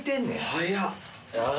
早っ！